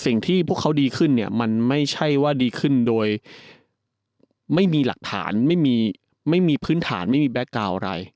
สิ่งที่พวกเขาดีขึ้นเนี่ยมันไม่ใช่ว่าดีขึ้นโดยไม่มีหลักฐานไม่มีไม่มีพื้นฐานไม่มีแบ็คกาวน์อะไร